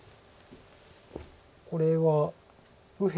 これは右辺